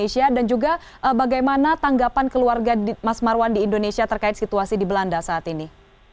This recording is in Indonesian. indonesia dan juga bagaimana tanggapan keluarga mas marwan di indonesia terkait situasi di belanda saat ini